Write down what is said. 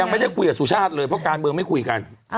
ไม่ได้คุยกับสุชาติเลยเพราะการเมืองไม่คุยกัน